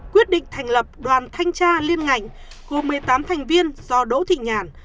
quyết định thành lập đoàn thanh tra liên ngành gồm một mươi tám thành viên do đỗ thị nhàn